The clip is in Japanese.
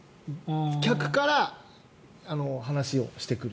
客から話をしてくると。